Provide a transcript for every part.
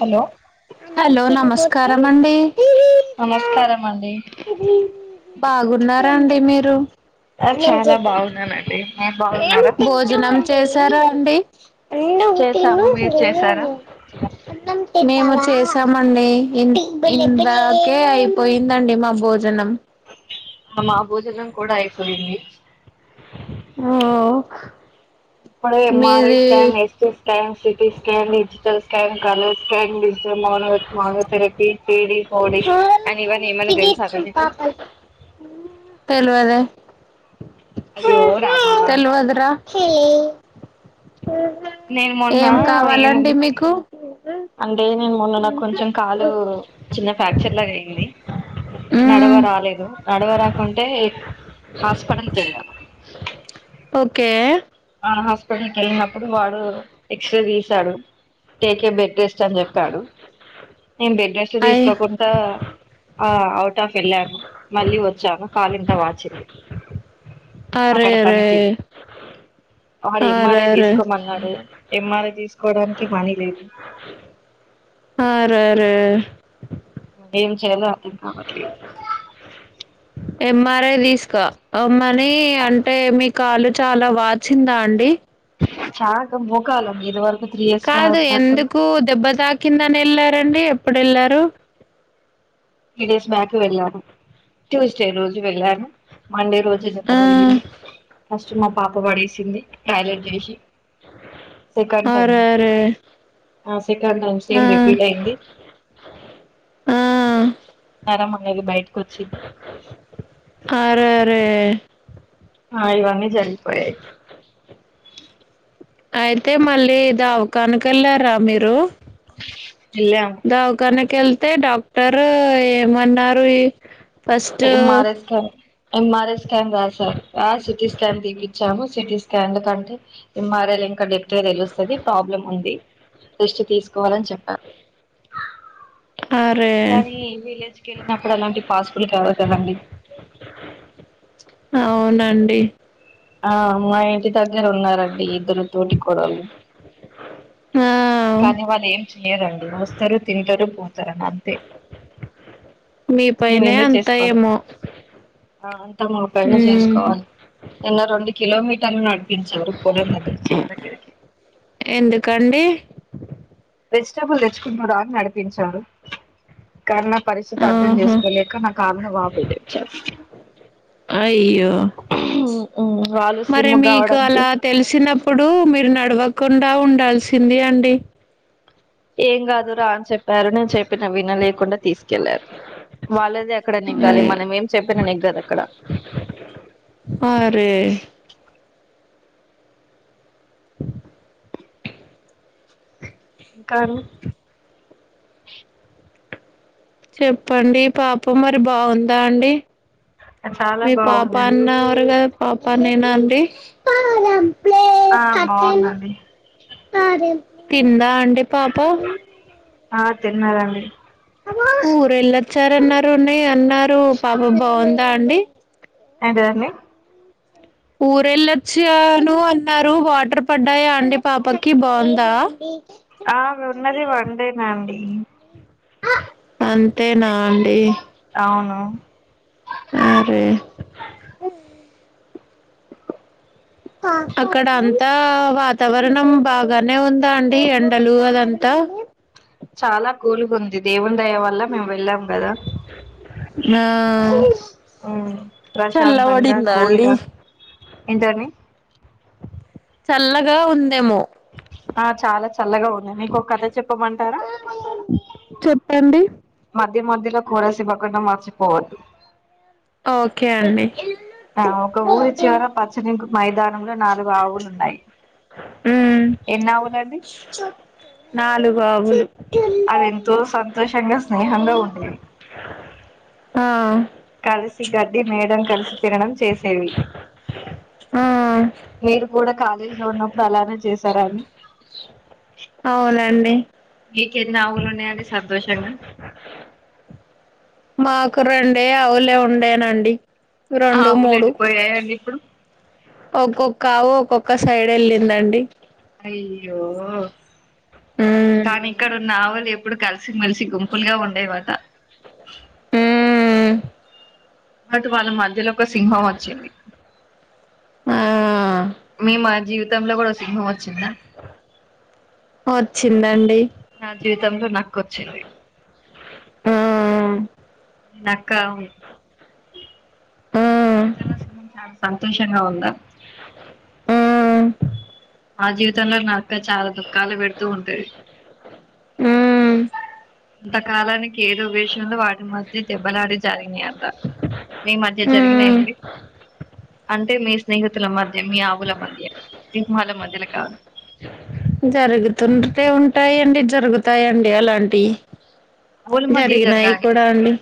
Hello hello నమస్కారం నమస్కారమ అండి బాగున్నారాండి మీర్ టు చాలా బాగున్నానండి మీరు బాగున్నారా భోజనం చేశారా అండి చేసాము మీరు చేసారా మేము చేసామండి ఇ ఇందాకే అయిపోయిందండి మా భోజనం ఆ మా భోజనం కూడా అయిపోయింది ఓ ఇప్పుడు ఎంఆర్ఐ మీది scan a scan CT scan digital scan can caller scan digital మో తెరపీ తేడి పోడి అండ్ ఇవన్నీ ఏమన్నా తెలుసా అండి మీకు అయ్యో రామా తెలవదు రా నేను మొన్న ఏం ఏమ కావాలండి మీకు అంటే మే మొన్న నాకు కొంచెం కాలు చిన్న ఫ్రాక్చర్ లాగా అయింది నడవ మ్మ్ రాలేదు నడవ రాకుంటే హాస్పిటల్కి ఎళ్ళ ఓకే ఆహ హాస్పిటల్ కి వెళ్ళినపుడు వాడు ఎక్స్-రే తీశాడు టేక్ ఏ బెడ్ రెస్ట్ అని చెప్పాడు నేను బెడ్ రెస్ట్ అయ్ తీసుకోకుండా ఆ అవుట్ ఆఫ్ వెళ్ళాను మళ్ళీ వచ్చాను కాలింత వాచింది అరే రే వాడ ఎంఆర్ తీసుకోమన్నాడు ఎం ఎంఆర్ఐ తీసుకోవడానికి మనీ లేదు అరే రే ఏం చేయాలో అర్థం కావట్లే ఎంఆర్ఐ తీసుక అ మనీ అంటే మీ కాలు చాలా వాచిందా అండి చ మోకాళ్ల ఇది వరకు త్రీ ఇయర [unintelligible] కిందనెళ్ళారండి ఎప్పుడెళ్లారు త్రీ డేస్ బ్యాక్ వెళ్ళాను ట్యూస్డే రోజు వెళ్ళాను మండే రోజే ఆ దెబ్బతగిలిగింది ఫస్ట్ మా పాప పడేసింది టాయిలెట్ చేసి సెకండ్ టైం అరే అరే ఆ సెకండ్ టైం ఆ సేమ్ రిపీట్ అయింది సరే మంగెళ్ళిబయట అరె అరే ఆ ఇవన్నీ జరి [unintelligible] అయితే మళ్ళీ ఇది అవకానికెళ్ళారా మీరు వెళ్ళాము దావ్ ఖానా కెళ్తే డాక్టర్ ఏమన్నారు ఇ M R I scan M R I scan రాశారు రా సిటి స్కాన్ తీపిచ్చాము సిటి స్కాన్ ఎందుకంటే ఎం ఆర్ ఐ ల ఇంకా డెప్ట్ గా తెలుస్తాది ప్రాబ్లమ్ ఉంది రెస్ట్ తీసుకోవాలని చెప్పారు అరే కానీ విలేజ్ కెళ్ళినప్పుడు అలాంటి పాసిబుల్ కావు కదండి అవునండి ఆ మా ఇంటి దగ్ [unintelligible] ఉన్నారండి ఇద్దరు తోటి కొడవలి ఆ కానీ వాళ్ళు ఏం చెయ్యరండి వస్తారు తింటరు పో తరనంతే మీ అన్ని పైనే మేమే అంతా చేసుకోవాలి ఏమో అంతా మా పైనే ఉమ్. చేసుకోవాలి నిన్న రెండు కిలోమీటర్లు నడు [unintelligible] దగ్గిరకి ఎందుకండి వెజిటబుల్ తెచ్చుకుందువు రా అని నడిపించారు కాని నా పరిస్థితి అర్థం ఆహా చేసుకోలేక నా కాళ్ళుని వాపులు తెచ్చారు అయ్యో మ్ వాళ్ళు మరి స్లిమ్ము మీకు కావడానికి అలా కుండా ఉండాల్సింది అండి ఏం కాదురా అన్ చెెప్ వరునే చెప్పిన వినలేకుండా తీసుకెళ్లారు వాళ్ళదే అక్కడ నెగ్గాలి అయ్ మనం ఏం చెప్పినా నెగ్గదు అక్కడ అరే కానీ చెప్పండి పాప మరి బావుందా అండి చాలా మీ పాప బాగుందండి అన్నారుగా పాప నేనా అండి ఆ బావుందండి తిందా టిపాప తిన్నారండి ఊరు వెళ్ళొచ్చారన్నారుని అన్నారు పాప బాగుందా అండి. ఎంటిదండి ఊరేళ్ళొచ్చాను అన్నారు. వాటర్ పడ్డాయా అండి పాపకి బాగుందా ఆహ్ మేం ఉన్నది. వండేనాండి అంతేనా అండి అవును అరే అ అక్కడ అంతా వాతావరణం బాగానే ఉందా అండి. ఎండాలు అదంతా చాలా కూల్గ ఉంది దేవ్న్ దయ వల్ల మేము వెళ్ళాం కదా. ఆ ఉహ్ ప్రశాంతంగా చల్లబడిందా అండి కూల్గా ఎంటిదండి చల్లగా ఉందేమో ఆ చాలా చల్లగా ఉంది. మీకు ఒక కథ చెప్పమంటారా ప్పుడండి మధ్య మధ్యలో కోరస్ ఇవ్వకుండా మర్చిపోవద్దు. ఓకే అండి ఆ ఒక ఊరి చివర పచ్చనీగుం మైదానంలో నాలుగు ఆవులు ఉన్నాయి. ఉమ్ ఎన్ని ఆవునయండి. నాలుగు ఆవులు అవి ఎంతో సంతోషంగా స్నేహంగా ఉండేవి ఆహ్ కలిసి గాట్ మేయాడం, కలిసి తినడం చేసేవి ఆ మీరు కూడా కాలేజీ లో ఉన్న అవునండి తోషంగా మాకు రెండే అవులే ఉండేనండి. రెండు, ఆవులు మూడు. ఎడిపోయాయండి ఇప్పుడు ఒకోక్ ఆవు ఒక్కొక్క సైడ్ వెళ్ళిందండి. అయ్యో ఉమ్ కానీ ఇక్కడున్న ఆవు లే ఇప్పుడు కలిసిమెలిసి గుంపులుగా. ఉండే వాట ఉమ్ బట్ వాళ్ళ మధ్యలో ఒక సింహం వచ్చింది. ఆహ్ మీ మా జీవితంలో కూడా సింహం వచ్చిందా. వచ్చిందండి. నా జీవితంలో నక్క వచ్చింది. ఆహ్ నక్క. ఆ ఆ మీ జీవితంలో సింహం చాలా సంతోషంగా ఉందా. ఉహ్ మా జీవితంలో నక్క చాలా దుఃఖాలు పెడుతూ ఉంటాది. అంతకాలానికి ఏదో విషయంలో వాటి మధ్య దెబ్బలాడి జరిగినాయంత. మీ మధ్య జరిగినయా ఉమ్ అండి అంటే మీ స్నేహితుల మధ్య. మీ ఆవుల మధ్య, సింహాల మధ్యలో కాదు. జరుగుతుంటే ఉంటాయండి జరుగుతాయండి అలాంటివి. ఆవుల మధ్య జరిగినాయి జరగాలి కూడా అండి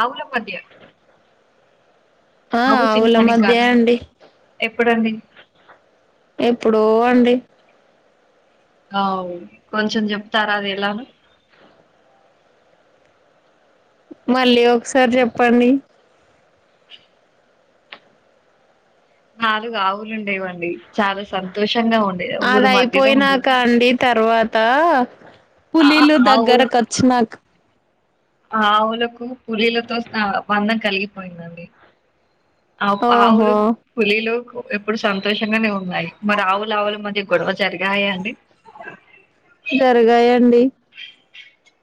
ఆవుల మధ్య ఆహ్ ఆవు ఆవుల సింహానికి మధ్య కాదండి అండి. ఎప్పుడండి. ఎప్పుడో అండి. అవు కొంచెం చెప్తార అది ఎలానో. మళ్ళీ ఒకసారి చెప్పండి. నాలుగు ఆవులు ఉండేవండి చాలా సంతోషంగా ఉండ అదయిపోయినాక అండి తర్వాత ఆ ఆ పులీలు ఆవుల దగ్గరకు వచ్చినాక. ఆవులకు పులీలతో స్త బంధం కలిగిపోయిందండి. ఆ ఆవ్ ఓహో ఆవులకు పులీలుకు ఇప్పుడు సంతోషంగానే ఉన్నాయి మరి ఆవులు ఆవుల మధ్య గొడవ జరిగాయా అండి. జరిగాయండి.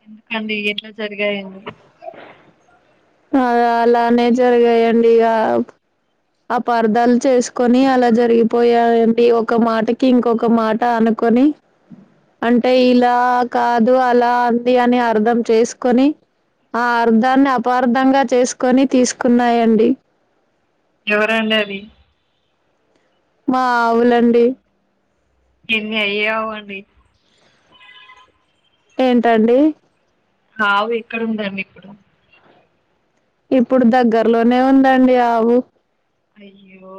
ఎందుకండి ఎట్లా జరు జరిగాయి అండి. ఆహ్ అలానే జరిగాయండి ఇగ. అపార్థాలు చేసుకొని అలా జరిగిపోయాయండి ఒక మాటకి ఇంకొక మాట అనుకొని అంటే ఇలా కాదు అలా అంది అని అర్థం చేసుకొని ఆ అర్థాన్ని అపార్ధంగా చేసుకొని తీసుకున్నాయండి. ఎవరండి అది. మా ఆవులండి. ఎన్ని అయ్యవ్ అండి. ఏంటండి. ఆవు ఎక్కడుందండి ఇప్పుడు. ఇప్పుడు దగ్గర్లోనే ఉందండి ఆవు. అయ్యో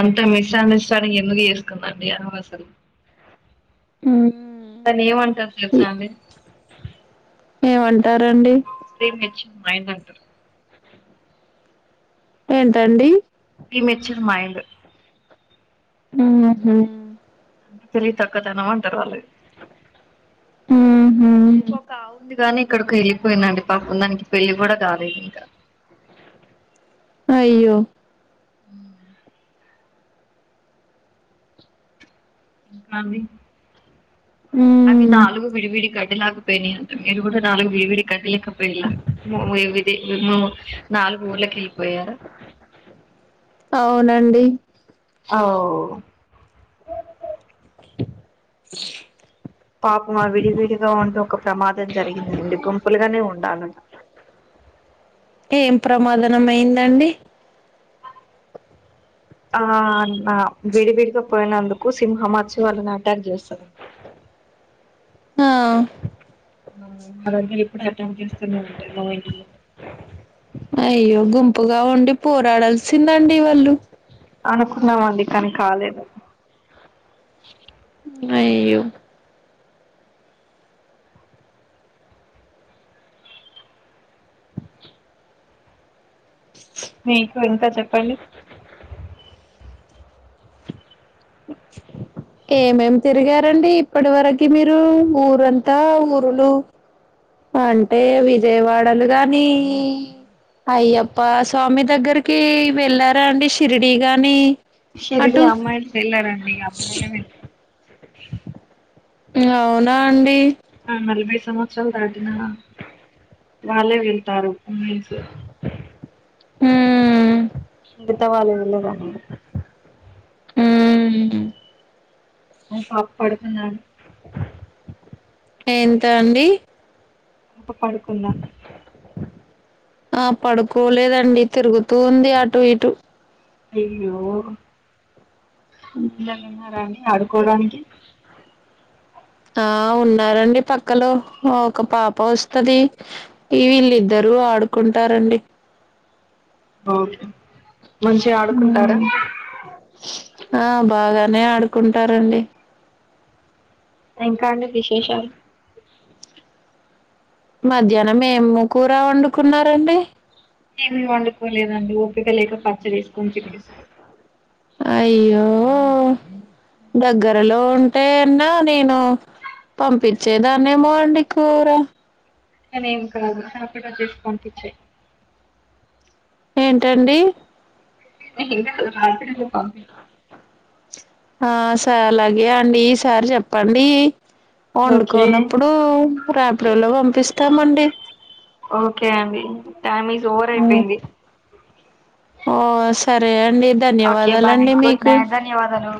అంత మిస్ అండర్స్టాండింగ్ ఎందుకు చేసుకుందండి అది అసలు. ఉమ్ దాన్ని ఏమంటారు తెలుసా అండి. ఏమంటా టారండి. ప్రీ మెచ్యూర్ మైండ్ అంటారు. ఏంటండి. Pre మేచర్ mind. ఉమ్ ఉహూ తెలివి తక్కువ తనము అంటారు వాళ్ళువి. ఊహు ఇంకొక ఆవు వుందిగాని. ఎక్కడికి ఎళ్ళిప్. పోయిందండి పాపం దానికి పెళ్లి కూడా కాలేదింక. అయ్యో. ఉమ్ ఇంకా అండి అవి ఊ నాలుగు విడివిడి గడ్డిలాకుపోయినాయి అంట మీరు కూడా నాలుగు విడివిడి గదిలి పిలది నాలుగు ఊర్ళకి వెళ్ళిపోయారు అవునండి ఔ పాపం అవి విడివిడిగా ఉండి ఒక ప్రమాదం జరిగింది అండి గుంపులుగానే ఉండాలట ఏం ప్రమాదనం అయిందండి ఆ అనా విడివిడిగా పోయినందుకు సింహం వచ్చి వాళ్లని అటాక్ చేస్తుంది అండి ఆ ఆరో ఇప్పుడ అట విభ్యస ఉంట ఎ అయ్యో గుంపుగా ఉండి పోరాడాల్సిందండి వాళ్ళు అనుకున్నామ అండి కానీ కాలేదు అయ్యో మీకు ఇంకా చెప్పండి ఇంకా ఏమేమి తిరిగారు డి ఇప్పటి వరకు మీరు ఊరంతా ఊరులో అంటే విజయవాడలు గాని అయ్యప్ప స్వామి దగ్గరికి వెళ్ళారా అండి షిరిడి గాని షిరిడి అటు అమ్మాయిలు వెళ్లరండి అబ్బాయిలే వెళ్తారు అవునా అండి ఆ నలభై సంవత్సరాలు దాటిన వాళ్ళే వెళ్తారు ఉమెన్స్ ఊ మిగతా వాళ్ళు వెళ్ళరండి ఊ ఆ పాప పడుకున్నాడు ఎంత అండి పాప పడుకుంద ఆ పడుకోలేదండి తిరుగుతూ ఉంది అటు ఇటు అయ్యో పిల్లొల్లు ఉన్నారా అండి ఆడుకోడానికి ఆ ఉన్నారండి పక్కలో ఒక పాప వస్తది ఈ వీళ్ళిద్దరూ ఆడుకుంటారండి ఓకే మంచిగా ఊ ఆడుకుంటారా ఆ బాగా బాగానే ఆడుకుంటారు అండి ఇంకా అండి విశేషాలు మధ్యాహ్నం ఏమ్ కూర వండుకున్నారండి ఏమి వండుకోలేదండి ఒపిక లేక పచ్చడి వేసుకొని తినేస అయ్యో దగ్గరలో ఉంటే అన్నా నేను పంపించేదాన్నేమో అండి కూర అనే ఏం కాదు హ్యాపీగా చేసుకునిపించేయి ఏంటండి రాత్రడి పంప ఆ స అలాగే అండి ఈ సారి చెప్పండి ఓకే వండుకోనప్పుడు రాపడేళ పంపిస్తామండి ట ఓవర్ అయిపోయింది ఓ సరే అండి ధన్యవాదాలండి మీకు బాయ ధన్యవాదాలు